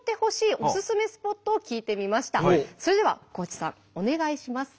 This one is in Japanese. それでは地さんお願いします。